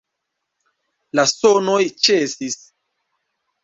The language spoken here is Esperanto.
La sonoj ĉesis.